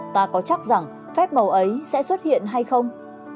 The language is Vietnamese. ta có chắc rằng phép màu ấy sẽ xuất hiện hay không